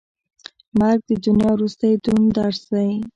مرګ د دنیا وروستی دروند درس دی.